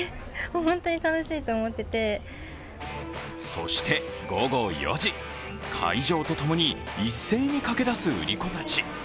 そして午後４時、開場とともに一斉に駆け出す売り子たち。